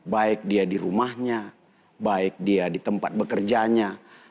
baik dia di rumahnya baik dia di tempat bekerjanya